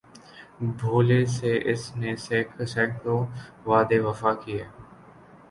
بھولے سے اس نے سیکڑوں وعدے وفا کیے